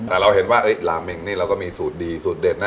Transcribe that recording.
แต่เราเห็นว่าลาเมงนี่เราก็มีสูตรดีสูตรเด็ดนะ